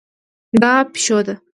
دا پیشو ده